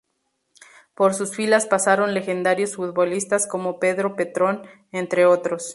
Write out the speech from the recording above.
Por sus filas pasaron legendarios futbolistas como Pedro Petrone entre otros.